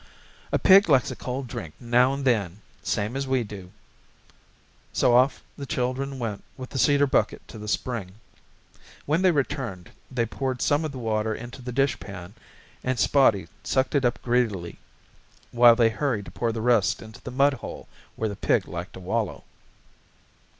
"A pig likes a cold drink now and then same as we do." So off the children went with the cedar bucket to the spring. When they returned they poured some of the water into the dishpan and Spotty sucked it up greedily while they hurried to pour the rest into the mudhole where the pig liked to wallow.